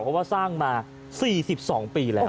เพราะว่าสร้างมา๔๒ปีแล้ว